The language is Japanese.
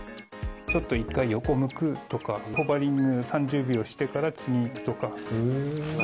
ちょっと一回横向くとか、ホバリング３０秒してから次とか。